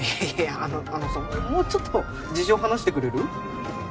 あのあのさもうちょっと事情話してくれる？